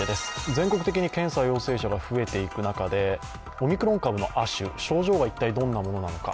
全国的に検査陽性者が増えていく中で、オミクロン株の亜種症状は一体どんなものなのか。